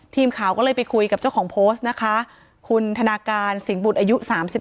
ทีมข่าวก็เลยไปคุยกับเจ้าของโพสต์นะคะคุณธนาการสิงบุตรอายุ๓๒